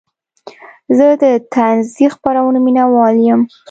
زه د طنزي خپرونو مینهوال یم.